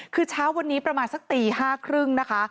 คือเช้าวันนี้ประมาณสักตี๕๓๐นะคะ